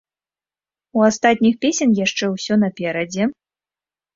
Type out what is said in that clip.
У астатніх песень яшчэ ўсё наперадзе.